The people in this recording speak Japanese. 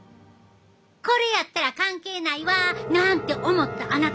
これやったら関係ないわなんて思ったあなた。